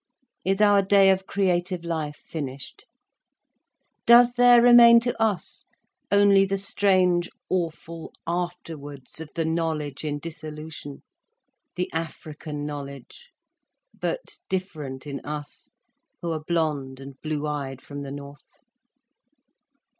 Is our day of creative life finished? Does there remain to us only the strange, awful afterwards of the knowledge in dissolution, the African knowledge, but different in us, who are blond and blue eyed from the north?